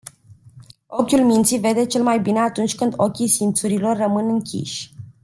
Ochiul minții vede cel mai bine atunci când ochii simțurilor rămân închiși.